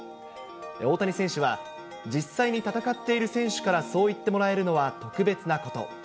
大谷選手は実際に戦っている選手からそう言ってもらえるのは特別なこと。